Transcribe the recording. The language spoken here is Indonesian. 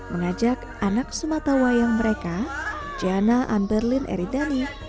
mengajak anak sumatawa yang mereka jana anberlin ridani